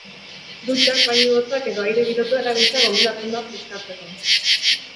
Dutxak, bainu hotzak edo aire girotua erabiltzea gomendatzen da freskatzeko.